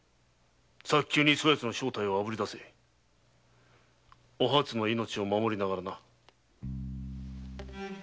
早急にそやつの正体をあぶり出せお初の命を守りながらな。